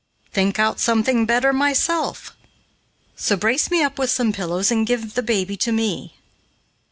"Think out something better, myself; so brace me up with some pillows and give the baby to me."